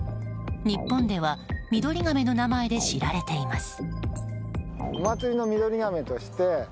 日本では、ミドリガメの名前で知られています。